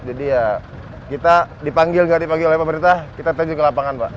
jadi ya kita dipanggil nggak dipanggil oleh pemerintah kita terjun ke lapangan pak